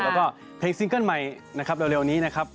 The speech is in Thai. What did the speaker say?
แล้วก็เพลงซิงเกิลใหม่เร็วนี้นะครับ